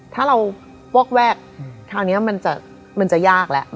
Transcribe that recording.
ถ้าเราเวิร์คแวกครั้งนี้มันจะยากแล้ว